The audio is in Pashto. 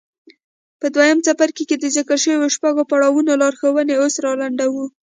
په دويم څپرکي کې د ذکر شويو شپږو پړاوونو لارښوونې اوس را لنډوو.